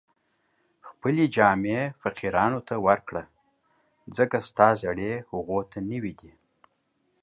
خپلې جامې فقیرانو ته ورکړه، ځکه ستا زړې هغو ته نوې دي